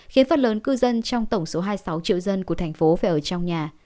khiến phần lớn cư dân trong tổng số hai mươi sáu triệu dân của thành phố phải ở trong nhà